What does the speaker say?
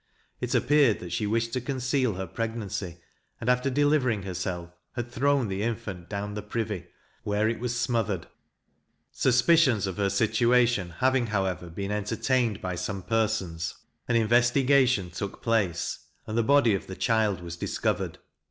It appeared that she wished to conceal her pregnancy; and, after delivering herself, had thrown the infant down the privy, where it was smothered. Suspicions of her situation having, however, been entertained by some persons, an investigation took place, and the body of the child was discovered.